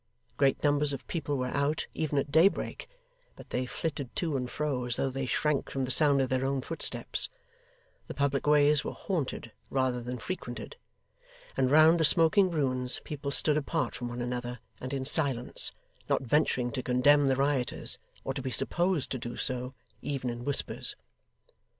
Great numbers of people were out, even at daybreak, but they flitted to and fro as though they shrank from the sound of their own footsteps; the public ways were haunted rather than frequented; and round the smoking ruins people stood apart from one another and in silence, not venturing to condemn the rioters, or to be supposed to do so, even in whispers.